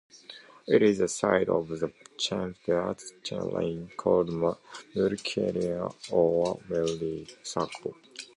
It is the site of a chambered cairn called Mull Circle or Meayll Circle.